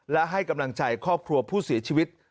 และให้กำลังใจครอบครัวผู้เสียชีวิต